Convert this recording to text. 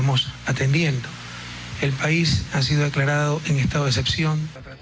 kota ini telah dikeluarkan dalam kekeluaran